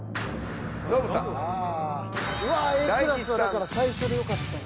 うわぁＡクラスだから最初でよかったんや。